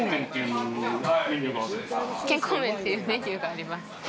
健康麺っていうメニューがあるんですか？